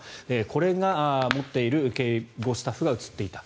これを持っている警護スタッフが映っていた。